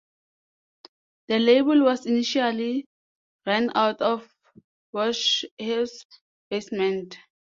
The label was initially run out of Warshaw's basement.